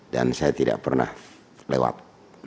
dan saya tidak pernah lewat